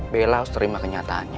bella harus terima kenyataannya